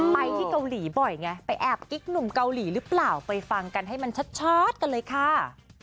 ไปที่เกาหลีบ่อยไงไปแอบกิ๊กหนุ่มเกาหลีหรือเปล่าไปฟังกันให้มันชัดกันเลยค่ะ